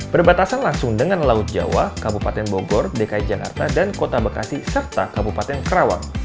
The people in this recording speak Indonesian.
berbatasan langsung dengan laut jawa kabupaten bogor dki jakarta dan kota bekasi serta kabupaten kerawang